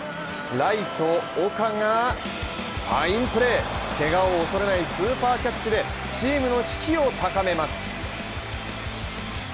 ライト・岡がファインプレーケガを恐れないスーパーキャッチでチームの士気を高めます。